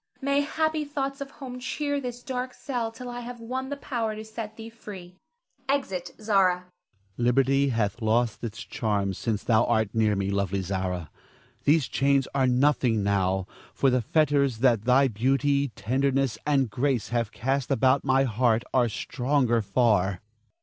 May happy thoughts of home cheer this dark cell till I have won the power to set thee free. [Exit Zara. Ernest. Liberty hath lost its charms since thou art near me, lovely Zara. These chains are nothing now, for the fetters that thy beauty, tenderness, and grace have cast about my heart are stronger far.